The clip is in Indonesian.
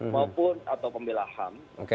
maupun atau pembelahan